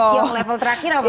iya chiong level terakhir apa ya